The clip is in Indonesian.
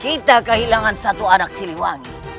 kita kehilangan satu anak siliwangi